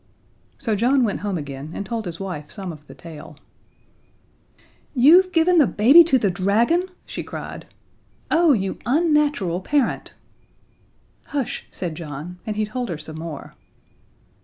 So John went home again, and told his wife some of the tale. "You've given the baby to the dragon!" she cried. "Oh, you unnatural parent!" "Hush," said John, and he told her some more.